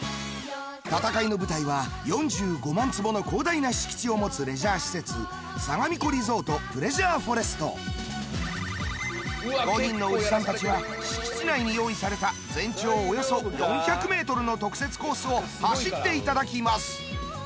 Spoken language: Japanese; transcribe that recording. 戦いの舞台は４５万坪の広大な敷地を持つレジャー施設５人のおじさんたちは敷地内に用意された全長およそ４００メートルの特設コースを走っていただきます。